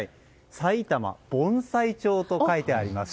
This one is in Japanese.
さいたま盆栽町と書いてあります。